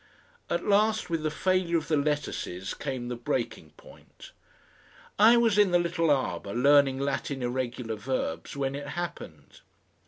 At last with the failure of the lettuces came the breaking point. I was in the little arbour learning Latin irregular verbs when it happened.